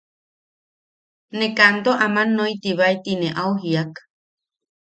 Ne kanto aman nottibae ti ne au jiak.